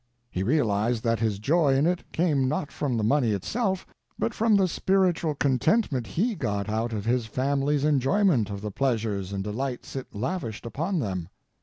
He realized that his joy in it came not from the money itself, but from the spiritual contentment he got out of his family's enjoyment of the pleasures and delights it lavished upon them.